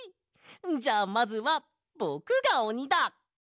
じゃあまずはぼくがおにだ！